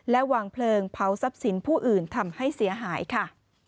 และวางเพลิงเผาทรัพย์สินผู้อื่นทำให้เสียหายค่ะ